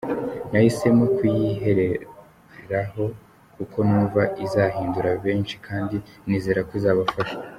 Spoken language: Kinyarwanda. Nahisemo kuyiheraho kuko numva izahindura benshi kandi nizera ko izabafasha.